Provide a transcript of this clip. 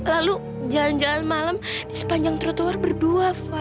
lalu jalan jalan malam di sepanjang trotoar berdua fa